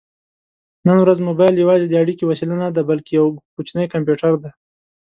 نن ورځ مبایل یوازې د اړیکې وسیله نه ده، بلکې یو کوچنی کمپیوټر دی.